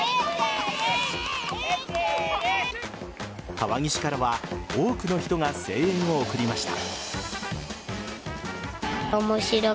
川岸からは多くの人が声援を送りました。